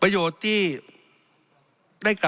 เพราะฉะนั้นโทษเหล่านี้มีทั้งสิ่งที่ผิดกฎหมายใหญ่นะครับ